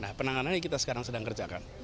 nah penanganannya kita sekarang sedang kerjakan